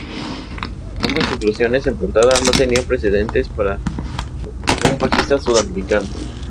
Ambas inclusiones en portada no tenían precedente para un bajista Sudamericano.